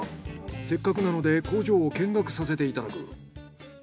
せっかくなので工場を見学させていただく。